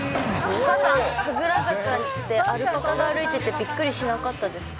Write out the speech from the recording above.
お母さん、神楽坂って、アルパカが歩いててびっくりしなかったですか。